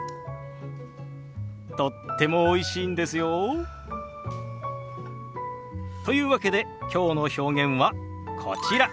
とってもおいしいんですよ。というわけできょうの表現はこちら。